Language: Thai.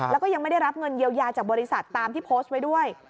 แล้วก็ยังไม่ได้รับเงินเยียวยาจากบริษัทตามที่โพสต์ไว้ด้วย